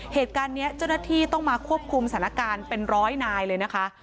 เหตุการณ์นี้เจ้าหน้าที่ต้องมาควบคุมสถานการณ์เป็นร้อยนายเลยนะคะ